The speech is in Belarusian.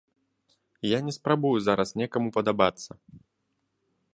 Я не спрабую зараз некаму падабацца.